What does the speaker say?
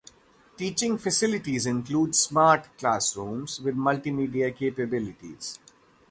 Teaching facilities include "smart" classrooms, with multimedia capabilities.